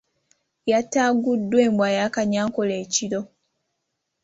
Yataaguddwa embwa ya Kanyankole ekiro.